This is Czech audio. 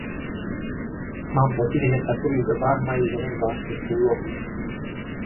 Mám pocit, že v takových dobách mají ženy zvláštní úlohu.